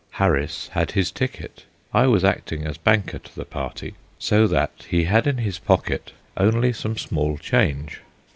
Harris had his ticket; I was acting as banker to the party, so that he had in his pocket only some small change.